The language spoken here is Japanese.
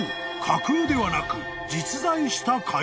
架空ではなく実在した海賊］